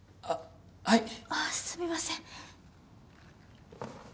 ああすみません。